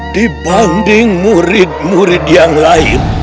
dibanding murid murid yang lain